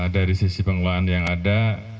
dari sisi pengelolaan yang ada